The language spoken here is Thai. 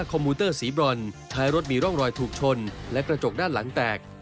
มูเตอร์สีบรอนท้ายรถมีร่องรอยถูกชนและกระจกด้านหลังแตก